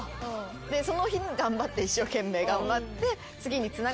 でその日頑張って一生懸命頑張って。